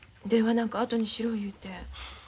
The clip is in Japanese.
電話なんかあとにしろ言うて。